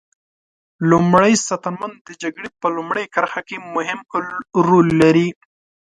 لومری ساتنمن د جګړې په لومړۍ کرښه کې مهم رول لري.